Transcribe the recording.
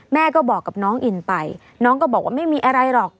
แม่ก็บอกกับน้องอินไปน้องก็บอกว่าไม่มีอะไรหรอก